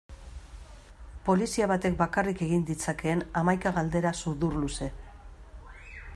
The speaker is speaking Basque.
Polizia batek bakarrik egin ditzakeen hamaika galdera sudurluze.